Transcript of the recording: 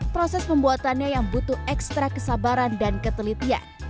proses pembuatannya yang butuh ekstra kesabaran dan ketelitian